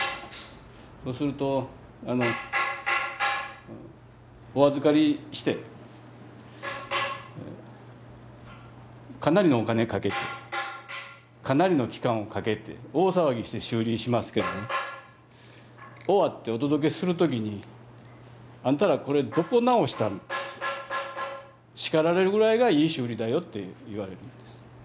そうするとお預かりしてかなりのお金かけてかなりの期間をかけて大騒ぎして修理しますけどね終わってお届けする時に「あんたらこれどこ直したん」って叱られるぐらいがいい修理だよっていわれるんです。